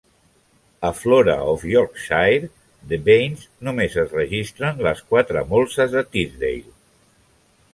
A "Flora of Yorkshire" de Baines només es registren les quatre molses de Teesdale.